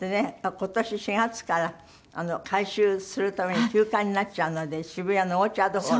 今年４月から改修するために休館になっちゃうので渋谷のオーチャードホール？